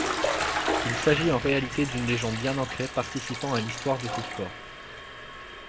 Il s'agit en réalité d'une légende bien ancrée participant à l'histoire de ce sport.